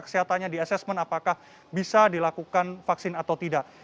kesehatannya di assessment apakah bisa dilakukan vaksin atau tidak